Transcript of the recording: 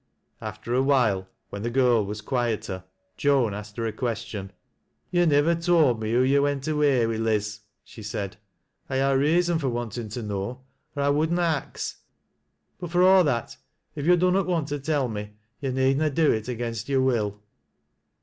After a while, when the girl was quieter, Joan asked hei a question. " You nivver told me who yo' went away wi', Liz," she said. " 1 ha' a reason fur wantin' to know, or 1 would na ax, but fur a' that if yo' dunnot want to tell me, yo' need na do it against yo're will."